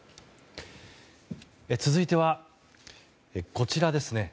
続いては、こちらです。